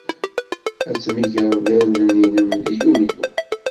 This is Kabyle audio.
Ad tmegreḍ irden-nnem deg Yulyu.